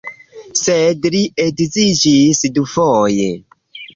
Sed li edziĝis dufoje.